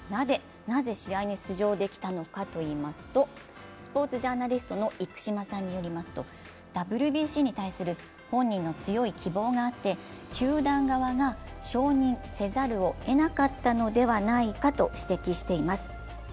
なぜ試合に出場できたのかといいますと、スポーツジャーナリストの生島さんによりますとＷＢＣに対する本人の強い希望があって、球団側が承認せざるをえなかったのではないかと指摘しています。